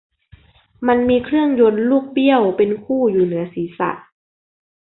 มันมีเครื่องยนต์ลูกเบี้ยวเป็นคู่อยู่เหนือศรีษะ